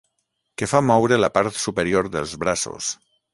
Que fa moure la part superior dels braços.